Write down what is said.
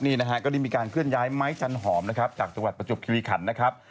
นี่ก็ดีมีการเคลื่อนย้ายไม้จันหอมจากจังหวัดประจบคิวิครนะครับ